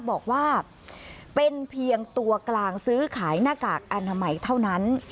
บอกว่าเป็นเพียงตัวกลางซื้อขายหน้ากากอนามัยเท่านั้น